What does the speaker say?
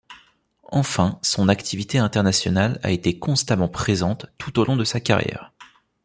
Enfin, son activité internationale a été constamment présente tout au long de sa carrière.